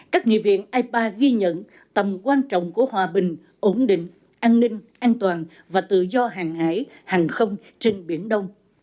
các nghị viện ipa ghi nhận tầm quan trọng của hòa bình ổn định an ninh an toàn và tự do hàng hải hàng không trên biển đông